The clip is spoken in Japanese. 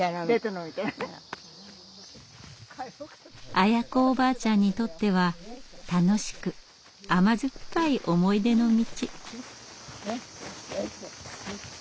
アヤ子おばあちゃんにとっては楽しく甘酸っぱい思い出の道。